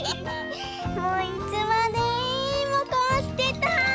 もういつまでもこうしてたい！